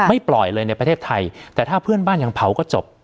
ปล่อยเลยในประเทศไทยแต่ถ้าเพื่อนบ้านยังเผาก็จบ